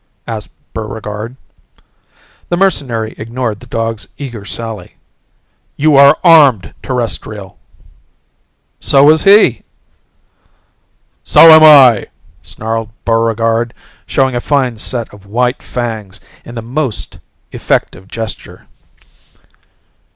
asked Buregarde. The mercenary ignored the dog's eager sally. "You are armed, Terrestrial." "So was he." "So am I!" snarled Buregarde showing a fine set of white fangs in the most effective gesture.